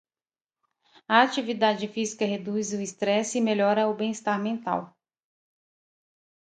A atividade física reduz o estresse e melhora o bem-estar mental.